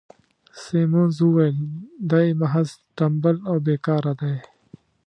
سیمونز وویل: دی محض ټمبل او بې کاره دی.